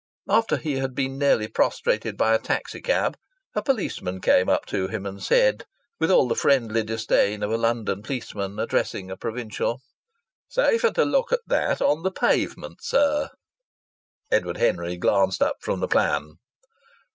After he had been nearly prostrated by a taxi cab, a policeman came up to him and said, with all the friendly disdain of a London policeman addressing a provincial: "Safer to look at that on the pavement, sir!" Edward Henry glanced up from the plan.